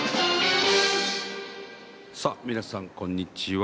さあ皆さん、こんにちは。